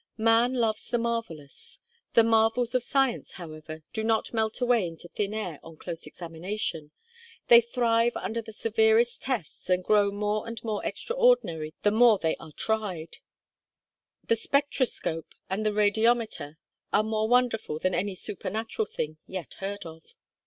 Man loves the marvellous. The marvels of science, however, do not melt away into thin air on close examination. They thrive under the severest tests, and grow more and more extraordinary the more they are tried. The spectroscope and the radiometer are more wonderful than any 'supernatural' thing yet heard of.